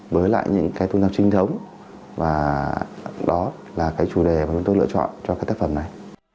với lại những cái tôn giáo trinh thống và đó là cái chủ đề mà chúng tôi lựa chọn cho cái tác phẩm này